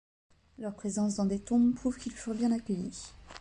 Leur présence dans des tombes prouve qu'ils furent bien accueillis.